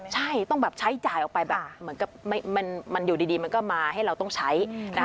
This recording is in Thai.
ใช่ต้องแบบใช้จ่ายออกไปแบบเหมือนกับมันอยู่ดีมันก็มาให้เราต้องใช้นะคะ